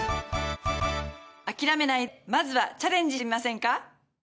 諦めないでまずはチャレンジしてみませんか？